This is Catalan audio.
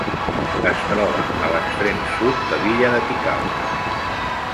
Es troba a l'extrem sud de l'illa de Ticao.